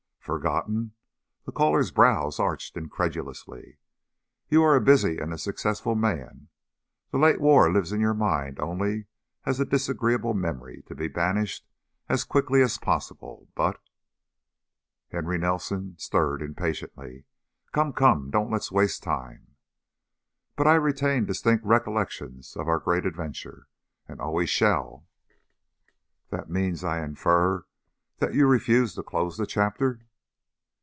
"Forgotten?" The caller's brows arched incredulously. "You are a busy and a successful man; the late war lives in your mind only as a disagreeable memory to be banished as quickly as possible, but " Henry Nelson stirred impatiently. "Come! Come! Don't let's waste time." " but I retain distinct recollections of our Great Adventure, and always shall." "That means, I infer, that you refuse to close the chapter?"